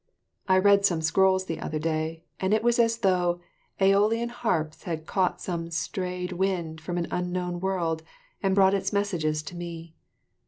I read some scrolls the other day, and it was as though "aeolian harps had caught some strayed wind from an unknown world and brought its messages to me."